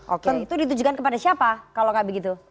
oke itu ditujukan kepada siapa kalau nggak begitu